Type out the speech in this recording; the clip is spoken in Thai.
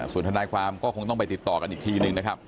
ส่วนทนายความก็คงต้องไปติดต่อกันอีกทีหนึ่งนะครับ